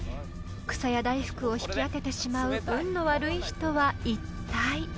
［くさや大福を引き当ててしまう運の悪い人はいったい？］